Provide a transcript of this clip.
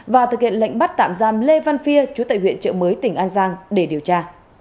và thực hiện lệnh bắt tạm giam lê văn phia chú tại huyện trợ mới tỉnh an giang để điều tra